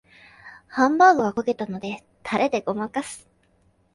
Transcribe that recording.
ハンバーグが焦げたのでタレでごまかす